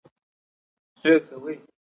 ګرد او غبار د څراغونو رڼاوې ژېړ بخونې کړې وې.